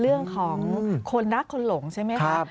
เรื่องของคนรักคนหลงใช่ไหมครับ